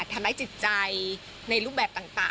ทำให้จิตใจในรูปแบบต่าง